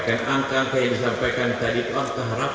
dan angka angka yang disampaikan tadi itu angka harapan